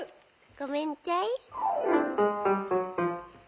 「ごめんちゃい」。